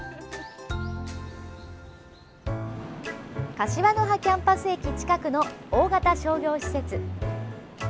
柏の葉キャンパス駅近くの大型商業施設。